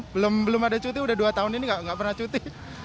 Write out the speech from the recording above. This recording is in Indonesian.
belum belum ada cuti udah dua tahun ini nggak pernah cuti